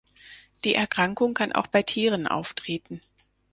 Die Erkrankung kann auch bei Tieren auftreten.